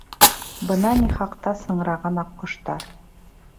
Бына ни хаҡта сыңраған аҡҡоштар.